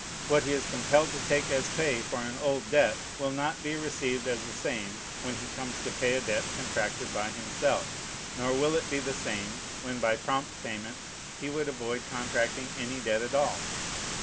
What he is compelled to take as pay for an old debt will not be received as the same, when he comes to pay a debt contracted by himself; nor will it be the same, when by prompt payment he would avoid contracting any debt at all.